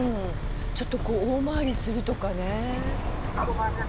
ちょっとこう大回りするとかね。